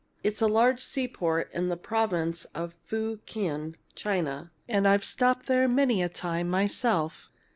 "It's a large seaport in the province of Fu kien, China, and I've stopped there many a time myself.